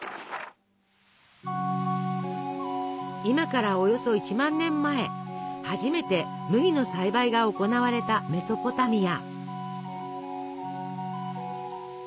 今からおよそ１万年前初めて麦の栽培が行われたメソポタミア。